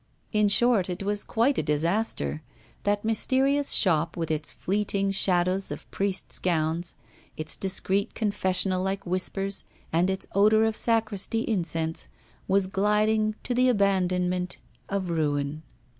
In short, it was quite a disaster; that mysterious shop, with its fleeting shadows of priests' gowns, its discreet confessional like whispers, and its odour of sacristy incense, was gliding to the abandonment of ruin.